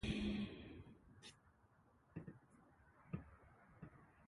His political influence and relevance were thus greatly reduced.